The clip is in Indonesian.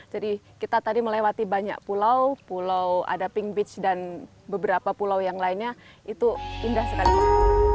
jadi kita tadi melewati banyak pulau pulau ada pink beach dan beberapa pulau yang lainnya itu indah sekali banget